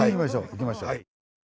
行きましょう。